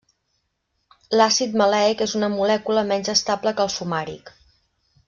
L'àcid maleic és una molècula menys estable que el fumàric.